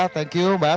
thank you mbak